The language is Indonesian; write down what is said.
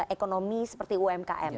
ekonomi seperti umkm